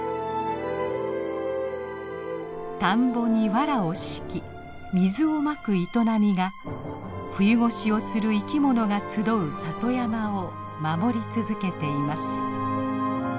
田んぼにわらを敷き水をまく営みが冬越しをする生きものが集う里山を守り続けています。